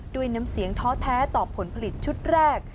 ด้วยน้ำเสียงท้อแท้ต่อผลผลิตชุดแรก